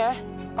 aku nggak mau